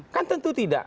kan tentu tidak